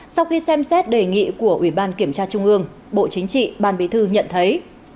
sau khi xem xét đề nghị của ủy ban kiểm tra trung ương bộ chính trị ban bí thư nhận thấy